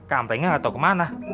kamplengnya tidak tahu ke mana